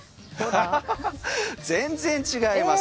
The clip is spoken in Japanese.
全然違います。